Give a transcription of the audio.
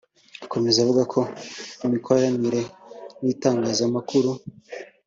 Akomeza avuga ko imikoranire n’itangazamakuru